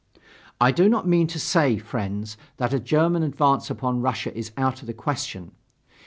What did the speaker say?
I do not mean to say, friends, that a German advance upon Russia is out of the question.